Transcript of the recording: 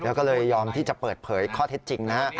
แล้วก็เลยยอมที่จะเปิดเผยข้อเท็จจริงนะฮะ